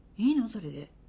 それで。